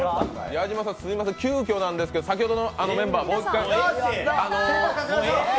ヤジマさん、すいません、急きょなんですけど、先ほどのあのメンバー、もう１回。